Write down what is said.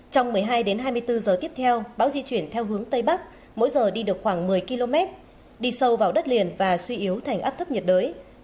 trong một mươi hai đến hai mươi bốn giờ tiếp theo bão di chuyển theo hướng tây bắc mỗi giờ đi được khoảng một mươi km đi sâu vào đất liền và suy yếu thành áp thấp nhiệt đới